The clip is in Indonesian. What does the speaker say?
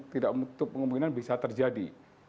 tidak menutup kemungkinan bisa terjadi